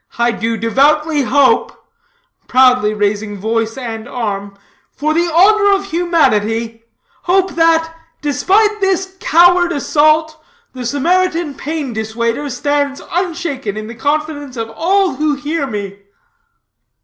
I do devoutly hope," proudly raising voice and arm, "for the honor of humanity hope that, despite this coward assault, the Samaritan Pain Dissuader stands unshaken in the confidence of all who hear me!"